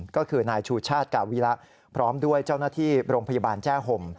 ก็คือนายชูชาติกาวิระพร้อมด้วยเจ้าหน้าที่โรงพยาบาลแจ้ห่ม